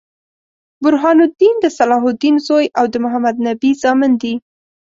برهان الدين د صلاح الدین زوي او د محمدنبي زامن دي.